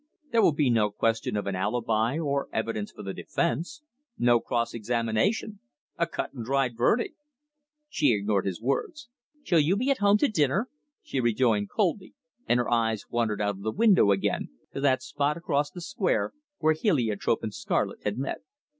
There will be no question of an alibi, or evidence for the defence no cross examination. A cut and dried verdict!" She ignored his words. "Shall you be at home to dinner?" she rejoined coldly, and her eyes wandered out of the window again to that spot across the square where heliotrope and scarlet had met.